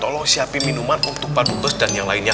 tolong siapin minuman untuk pak dubes dan yang lainnya